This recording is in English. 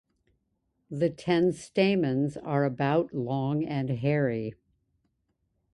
The ten stamens are about long and hairy.